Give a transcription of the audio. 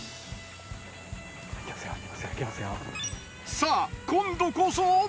さぁ今度こそ。